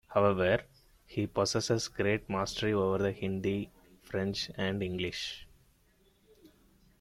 However, he possesses great mastery over the Hindi, French and English.